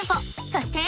そして！